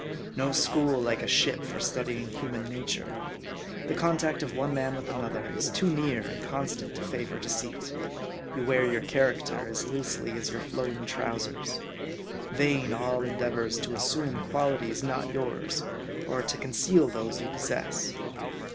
No school like a ship for studying human nature. The contact of one man with another is too near and constant to favor deceit. You wear your character as M A R D I. 27 loosely as your flowing trowsers. Vain all endeavors to assume qualities not yours ; or to conceal those you pos sess.